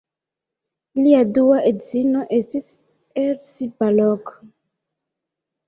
Lia dua edzino estis Erzsi Balogh.